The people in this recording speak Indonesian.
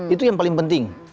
itu yang paling penting